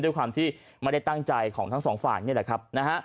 ด้วยความที่ไม่ได้ตั้งใจของทั้งสองฝ่ายนี่แหละครับนะฮะ